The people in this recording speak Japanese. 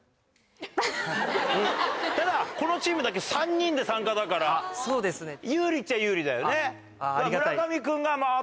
ただこのチームだけ３人で参加だから有利っちゃ有利だよね。